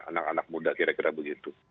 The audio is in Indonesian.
anak anak muda kira kira begitu